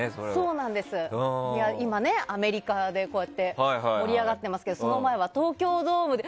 アメリカで盛り上がってますけどその前は東京ドームで。